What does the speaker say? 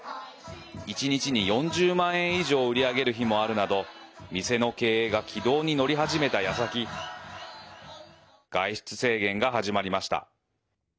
１日に４０万円以上売り上げる日もあるなど店の経営が軌道に乗り始めたやさき外出制限が始まりました。